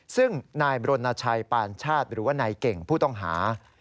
ซึ่งนายบรณชัยปานชาติหรือว่านายเก่งผู้ต้องหา